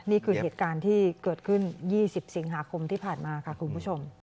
นี่คือเหตุการณ์ที่เกิดขึ้น๒๐สิงหาคมที่ผ่านมาค่ะคุณผู้ชม